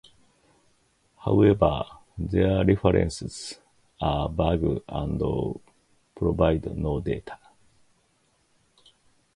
However, their references are vague and provide no date.